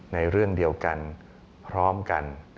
ในเรื่องเดียวกันพร้อมกัน